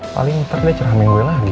paling ntar dia cerah main gue lagi